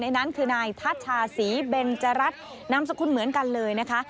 นั้นคือนายทัชชาศรีเบนจรัสนามสกุลเหมือนกันเลยนะคะ